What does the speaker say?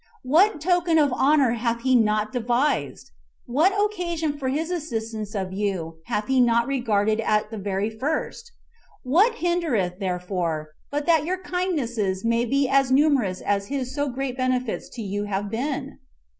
What token of honor hath he not devised? What occasion for his assistance of you hath he not regarded at the very first? What hindereth; therefore, but that your kindnesses may be as numerous as his so great benefits to you have been?